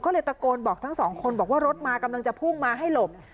ก็เลยตะโกนบอกทั้งสองคนบอกว่ารถมากำลังจะพุ่งมาให้หลบ